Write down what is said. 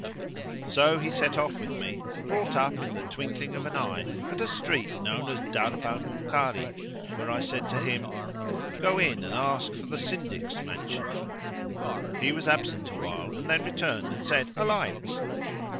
So he set off with me and brought up in the twinkling of an eye at a street known as Darb al Munkari, where I said to him, "Go in and ask for the Syndic's mansion." He was absent a while and then returned and said, "Alight."